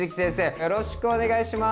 よろしくお願いします！